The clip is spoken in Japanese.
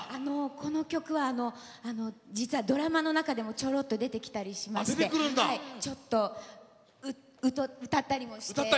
この曲は実はドラマの中でもちょろっと出てきたりしましてちょっと歌ったりもして。